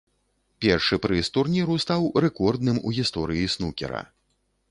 Першы прыз турніру стаў рэкордным у гісторыі снукера.